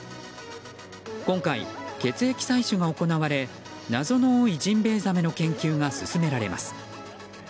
今回、血液採取が行われ謎の多いジンベエザメの研究が進められます。